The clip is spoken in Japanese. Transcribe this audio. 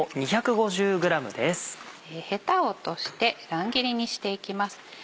ヘタを落として乱切りにしていきます。